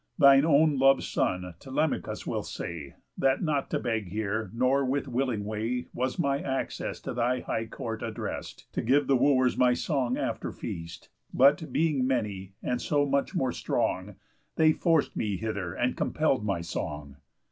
Thine own lov'd son Telemachus will say, That not to beg here, nor with willing way Was my access to thy high court addrest, To give the Wooers my song after feast, But, being many, and so much more strong, They forced me hither, and compell'd my song."